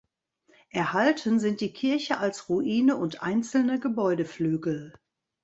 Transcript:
Erhalten sind die Kirche als Ruine und einzelne Gebäudeflügel.